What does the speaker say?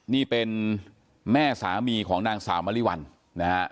นี่เป็นแม่สามีของนางสาวมริวัลนะฮะ